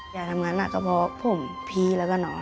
อยากทำงานหนักก็เพราะผมพี่แล้วก็น้อง